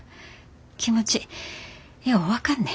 気持ちよう分かんね。